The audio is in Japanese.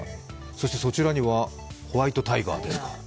そしてそちらにはホワイトタイガーですか。